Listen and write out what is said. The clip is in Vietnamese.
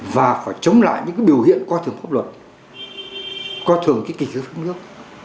và phải chống lại những biểu hiện qua thường pháp luật qua thường kỳ kỳ pháp luật